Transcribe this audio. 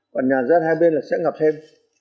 còn nhà dân hai bên là sẽ ngập thêm